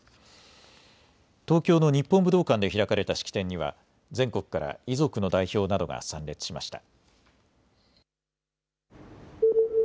東京の日本武道館で開かれた式典には全国から遺族の代表などが参列しました。